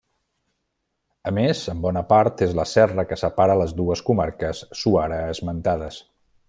A més, en bona part és la serra que separa les dues comarques suara esmentades.